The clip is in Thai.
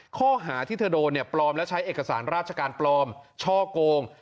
ข้อหาที่เธอโดนเนี่ยปลอมและใช้เอกสารราชการปลอมช่อโกง